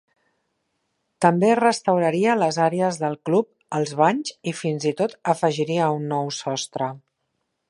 També restauraria les àrees del club, els banys i fins i tot afegiria un nou sostre.